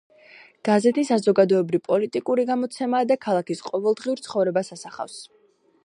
გაზეთი საზოგადოებრივ-პოლიტიკური გამოცემაა და ქალაქის ყოველდღიურ ცხოვრებას ასახავს.